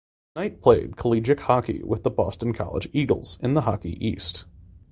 Knight played collegiate hockey with the Boston College Eagles in the Hockey East.